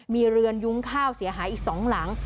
มีเรือนยุ้งข้าวเสียหายอีก๒หลัง